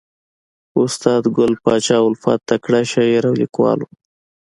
استاد ګل پاچا الفت تکړه شاعر او لیکوال ؤ.